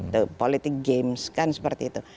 itu politik games kan seperti itu